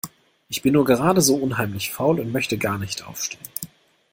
Ich bin nur gerade so unheimlich faul und möchte gar nicht aufstehen.